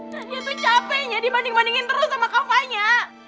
nadia tuh capeknya dibanding bandingin terus sama kafanya